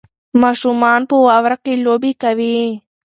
ماشومان په واوره کې لوبې کوي.